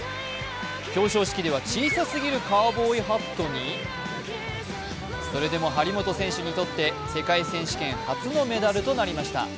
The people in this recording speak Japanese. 表彰式では小さ過ぎるカウボーイハットにそれでも張本選手にとって世界選手権初のメダルとなりました。